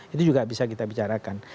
itu juga bisa kita bicarakan